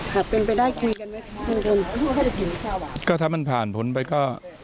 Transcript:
หากเป็นไปได้คุยกันไหมคะก็ถ้ามันผ่านผลไปก็